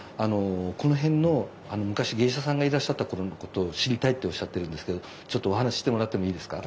この辺の昔芸者さんがいらっしゃった頃のことを知りたいっておっしゃってるんですけどちょっとお話ししてもらってもいいですか？